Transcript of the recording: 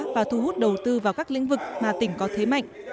và thu hút đầu tư vào các lĩnh vực mà tỉnh có thế mạnh